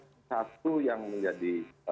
sesuatu yang menjadi